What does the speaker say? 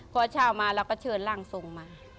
พอเช้ามาเราก็เชิญร่างทรงมา